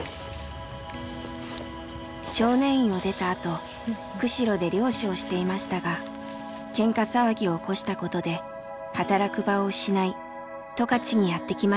少年院を出たあと釧路で漁師をしていましたがケンカ騒ぎを起こしたことで働く場を失い十勝にやって来ました。